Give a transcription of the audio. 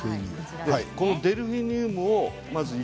このデルフィニウムをまず１